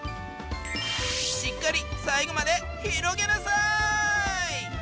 しっかり最後まで広げなさい！